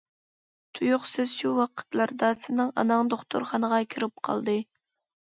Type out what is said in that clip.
تۇيۇقسىز شۇ ۋاقىتلاردا سېنىڭ ئاناڭ دوختۇرخانىغا كىرىپ قالدى.